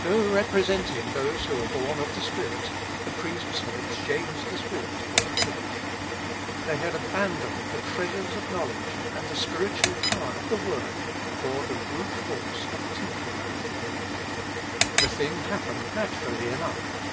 Though representing those who are born of the Spirit, the priests had exchanged the Spirit for the flesh. They had abandoned the treasures of knowledge, and the spiritual power of the Word, for the brute force and tinkling of the age. The thing happened naturally enough.